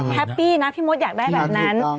แฮปปี้นะพี่มดอยากได้แบบนั้น